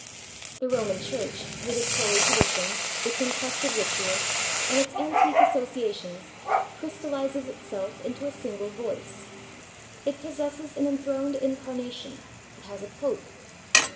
The Roman Church, with its hoary traditions, its encrusted ritual, and its antique associations, crystallizes itself into a single voice. It possesses an enthroned incarnation. It has a Pope.